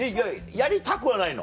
やりたくはないの？